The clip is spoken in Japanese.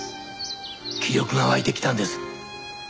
気力が湧いてきたんです。